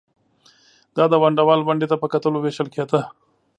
دا د ونډه وال ونډې ته په کتو وېشل کېده